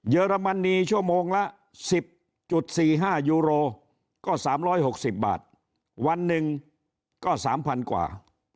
อรมนีชั่วโมงละ๑๐๔๕ยูโรก็๓๖๐บาทวันหนึ่งก็๓๐๐๐กว่า